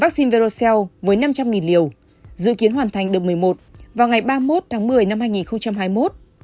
vaccine verocel với năm trăm linh liều dự kiến hoàn thành đợt một mươi một vào ngày ba mươi một tháng một mươi năm hai nghìn hai mươi một